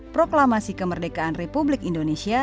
proklamasi kemerdekaan republik indonesia